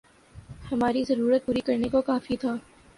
ہماری ضرورت پوری کرنے کو کافی تھا